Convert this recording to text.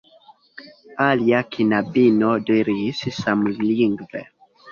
Alia knabino diris samlingve: